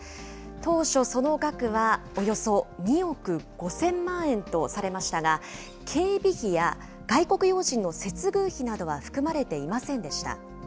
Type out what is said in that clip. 当初、その額はおよそ２億５０００万円とされましたが、警備費や外国要人の接遇費などは含まれていませんでした。